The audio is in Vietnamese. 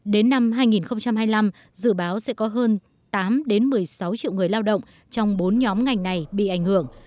đến năm hai nghìn hai mươi năm dự báo sẽ có hơn tám một mươi sáu triệu người lao động trong bốn nhóm ngành này bị ảnh hưởng